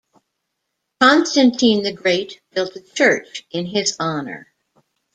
Constantine the Great built a church in his honour.